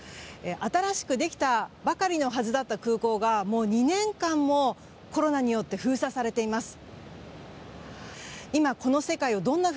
新しくできたばかりのはずだった空港がもう２年間もコロナによって封鎖されています。